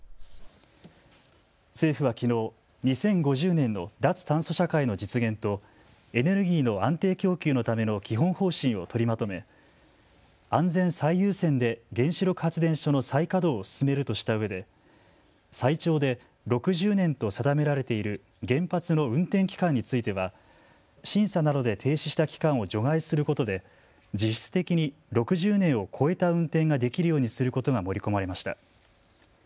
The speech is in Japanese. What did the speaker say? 政府はきのう、２０５０年の脱炭素社会の実現とエネルギーの安定供給のための基本方針を取りまとめ、安全最優先で原子力発電所の再稼働を進めるとしたうえで最長で６０年と定められている原発の運転期間については審査などで停止した期間を除外することで実質的に６０年を超えた運転ができるようにすることが盛り込まれました。